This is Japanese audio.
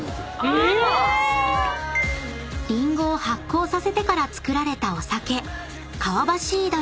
［リンゴを発酵させてから作られたお酒］